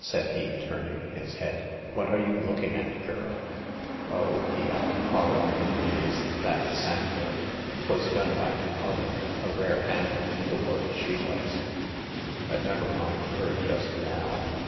said he, turning his head :" what are you looking at, girl ? Oh," he added, following her gaze, "that sampler ; 'twas done by my mother ; a rare hand at needlework she was ! But never mind her just now.